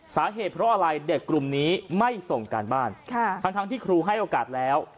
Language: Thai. สาเหตุเพราะอะไรเด็กกลุ่มนี้ไม่ส่งการบ้านทั้งที่ครูให้โอกาสแล้ว